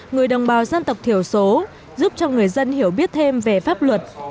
người đồng bào dân tộc thiểu số giúp cho người dân hiểu biết thêm về pháp luật